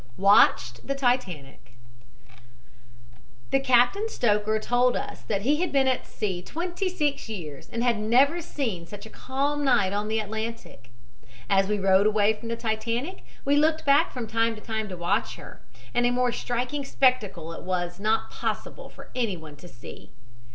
WATCHED THE TITANIC "The captain stoker told us that he had been at sea twenty six years, and had never yet seen such a calm night on the Atlantic. As we rowed away from the Titanic, we looked back from time to time to watch her, and a more striking spectacle it was not possible for anyone to see.